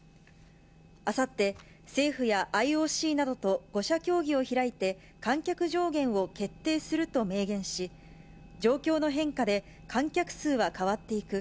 あさって、政府やＩＯＣなどと５者協議を開いて、観客上限を決定すると明言し、状況の変化で観客数は変わっていく。